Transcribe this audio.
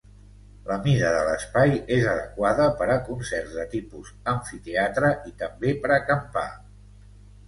La mida de l'espai és adequada per a concerts de tipus amfiteatre i també per acampar.